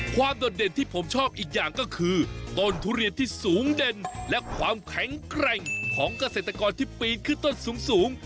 โดดเด่นที่ผมชอบอีกอย่างก็คือต้นทุเรียนที่สูงเด่นและความแข็งแกร่งของเกษตรกรที่ปีนขึ้นต้นสูง